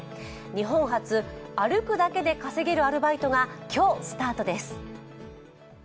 日本初、歩くだけで稼げるアルバイトが今日、スタートです。